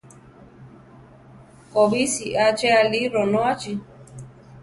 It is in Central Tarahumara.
Kobísi aché aʼli, ronóachi.